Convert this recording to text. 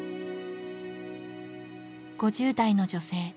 ５０代の女性。